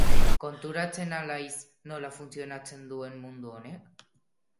Konturatzen al haiz nola funtzionatzen duen mundu honek?